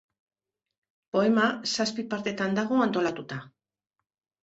Poema zazpi partetan dago antolatuta.